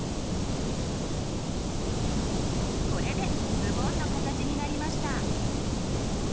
これでズボンの形になりました。